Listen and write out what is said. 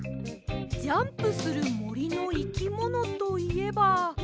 ジャンプするもりのいきものといえば。